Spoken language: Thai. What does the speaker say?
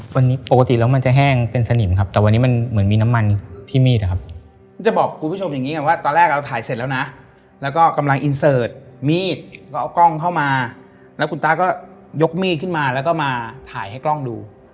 วันนี้ปกติแล้วมันจะแห้งเป็นสนิมครับแต่วันนี้มันเหมือนมีน้ำมันที่มีดนะครับจะบอกคุณผู้ชมอย่างนี้ว่าตอนแรกเราถ่ายเสร็จแล้วนะแล้วก็กำลังอินเสิร์ตมีดก็เอากล้องเข้ามาแล้วคุณตาก็ยกมีดขึ้นมาแล้วก็มาถ่ายให้กล้องดู